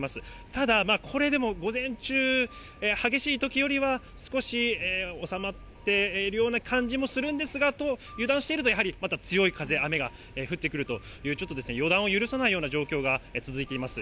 ただ、これでも午前中、激しいときよりは、少し収まっているような感じもするんですが、油断しているとやはりまた強い風、雨が降ってくるという、ちょっと予断を許さないような状況が続いています。